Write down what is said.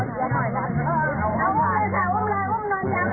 สวัสดีครับสวัสดีครับ